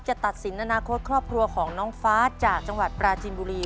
จะตัดสินอนาคตครอบครัวของน้องฟ้าจากจังหวัดปราจินบุรี